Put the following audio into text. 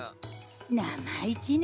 なまいきね！